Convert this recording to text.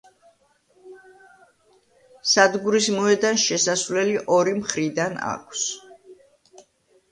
სადგურის მოედანს შესასვლელი ორი მხრიდან აქვს.